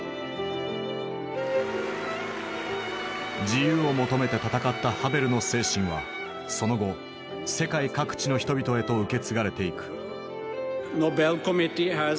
自由を求めて闘ったハヴェルの精神はその後世界各地の人々へと受け継がれていく。